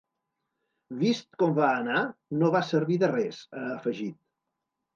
“Vist com va anar, no va servir de res”, ha afegit.